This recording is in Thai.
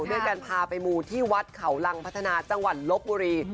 ด้วยการพาไปมูที่วัดเขารังพัฒนาจังหวัดลบบุรี